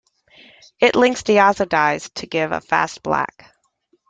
It links diazo dyes to give a fast black.